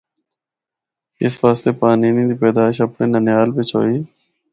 اس واسطے پانینی دے پیدائش اپنڑے ننھیال بچ ہی ہوئی۔